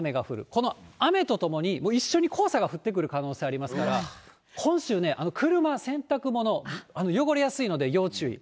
この雨とともに、一緒に黄砂が降ってくる可能性がありますから、今週、車、洗濯物、汚れやすいので要注意。